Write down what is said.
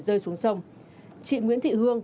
rơi xuống sông chị nguyễn thị hương